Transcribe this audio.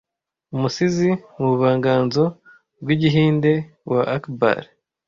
umusizi (mubuvanganzo bw'Igihinde) wa Akbar